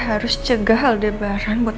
gue harus cega aldebaran buat